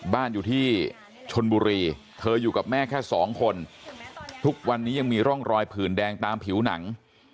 บ้านอยู่ที่ชนบุรีเธออยู่กับแม่แค่สองคนทุกวันนี้ยังมีร่องรอยผื่นแดงตามผิวหนัง